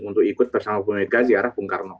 untuk ikut bersama bu mega ziarah bung karno